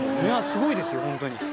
すごいですよホントに。